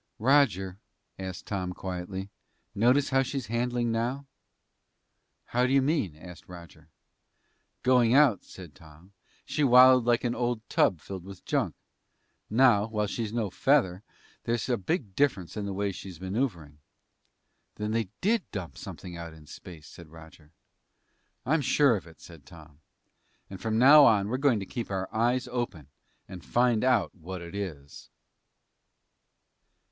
"Roger," asked Tom quietly, "notice how she's handling now?" "How do you mean?" asked Roger. "Going out," said Tom, "she wallowed like an old tub filled with junk. Now, while she's no feather, there's a big difference in the way she's maneuvering!" "Then they did dump something in space!" said Roger. "I'm sure of it!" said Tom. "And from now on, we're going to keep our eyes open and find out what it is!"